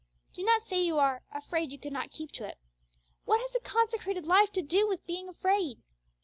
Do not say you are 'afraid you could not keep to it.' What has a consecrated life to do with being 'afraid'?